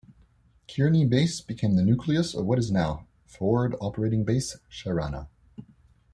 Kearney Base became the nucleus of what is now Forward Operating Base Sharana.